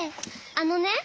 あのね。